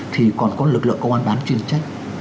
thì còn có lực lượng công an bán chuyên trách